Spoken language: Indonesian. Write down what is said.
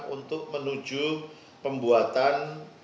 untuk menuju pembuatan